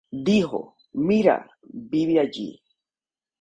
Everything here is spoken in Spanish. Dijo: "Mira, vive allí.